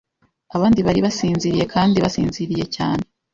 abandi bari basinziriye kandi basinziriye cyane.